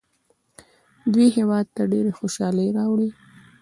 دوی هیواد ته ډېرې خوشحالۍ راوړي.